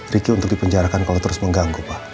ricky untuk dipenjarakan kalau terus mengganggu pak